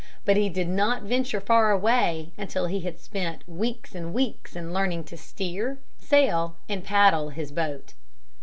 But he did not venture far away until he had spent weeks and weeks in learning to steer, sail, and paddle his boat.